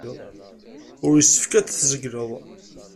Ur yessefk ad t-tzegleḍ.